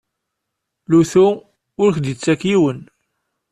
Lutu ur k-d-ittak yiwen.